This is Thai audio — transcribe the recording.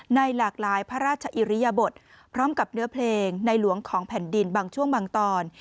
หลากหลายพระราชอิริยบทพร้อมกับเนื้อเพลงในหลวงของแผ่นดินบางช่วงบางตอน